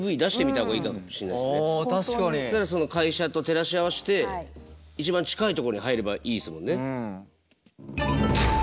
会社と照らし合わせて一番近いとこに入ればいいですもんね。